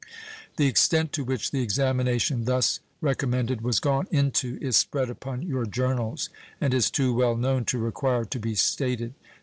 The extent to which the examination thus recommended was gone into is spread upon your journals, and is too well known to require to be stated.